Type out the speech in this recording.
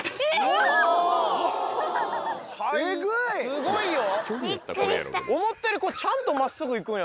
・すごいよ。